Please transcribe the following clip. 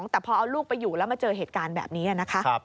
แต่พอเอาลูกไปอยู่แล้วมาเจอเหตุการณ์แบบนี้นะคะ